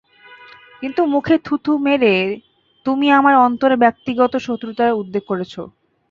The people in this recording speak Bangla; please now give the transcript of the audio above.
কিন্তু মুখে থু থু মেরে তুমি আমার অন্তরে ব্যক্তিগত শত্রুতার উদ্রেক করেছ।